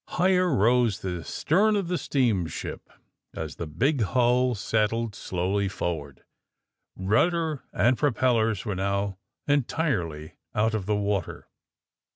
Higher rose the stern of the steamship as the big hull settled slowly forward. Eudder and propellers were now entirely out of the water.